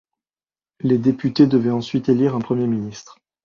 Les députés devaient ensuite élire un Premier ministre.